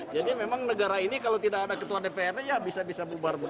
jadi memang negara ini kalau tidak ada ketua dprd ya bisa bisa bubar bubir